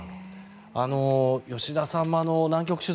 吉田さんも南極取材